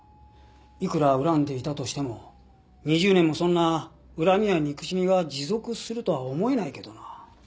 いくら恨んでいたとしても２０年もそんな恨みや憎しみが持続するとは思えないけどなあ。